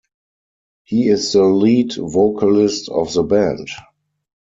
He is the lead vocalist of the band.